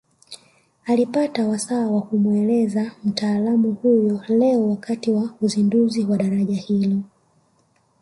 Alipata wasaa wa kumueleza mtaalamu huyo leo wakati wa uzinduzi wa daraja hilo